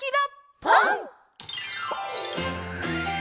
「ぽん」！